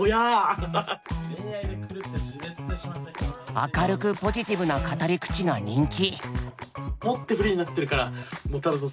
明るくポジティブな語り口が人気。